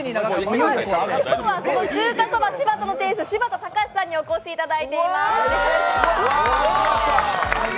今日は、その中華そばしば田の店主、柴田貴史さんにお越しいただいております。